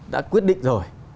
đã quyết định rồi